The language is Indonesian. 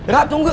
raya tunggu kak